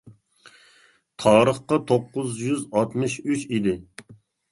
تارىخقا توققۇز يۈز ئاتمىش ئۈچ ئىدى.